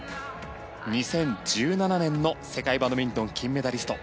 ２０１７年の世界バドミントン金メダリスト。